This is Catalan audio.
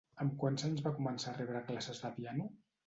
Amb quants anys va començar a rebre classes de piano?